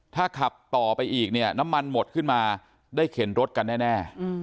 ถ้าขับต่อไปอีกเนี่ยน้ำมันหมดขึ้นมาได้เข็นรถกันแน่